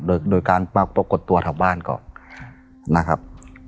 โดยการมาปรากฏตัวแถวบ้านก่อนนะครับ